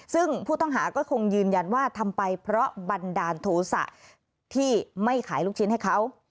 ซึ่งผู้ต้องหาก็คงยืนยันว่าทำไปเพราะบันดาลโทษะที่ไม่ขายลูกชิ้นให้เขา